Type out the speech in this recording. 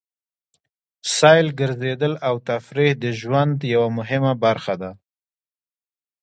سیل، ګرځېدل او تفرېح د ژوند یوه مهمه برخه ده.